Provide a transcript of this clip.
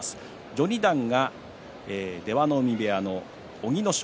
序二段が出羽海部屋の小城ノ正。